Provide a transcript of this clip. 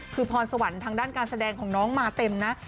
คือพรสวรรค์ทางด้านการแสดงของน้องมาเต็มนะ